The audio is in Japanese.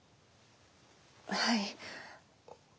はい。